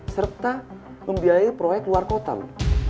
serta membiayai proyek luar kota loh